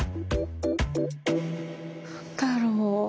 何だろう。